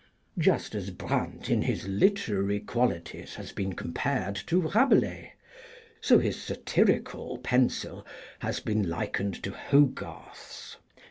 Just as Brandt in his literary qualities has been compared to Rabelais, so his satirical pencil has been likened to Hogarth's.